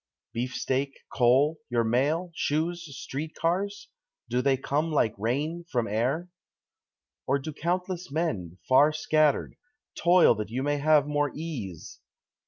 Beefsteak, coal, your mail, shoes, street cars do they come like rain from air? Or do countless men, far scattered, toil that you may have more ease?